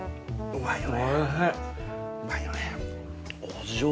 うまいよね。